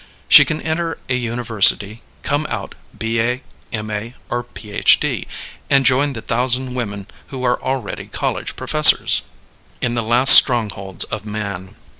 She can enter a university, come out B.A., M.A., or Ph.D., and join the thousand women who are already college professors. IN THE LAST STRONGHOLDS OF MAN.